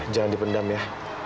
jangan dipendam ya